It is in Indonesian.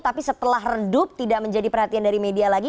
tapi setelah redup tidak menjadi perhatian dari media lagi